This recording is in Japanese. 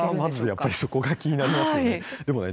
やっぱりそこが気になりますよね。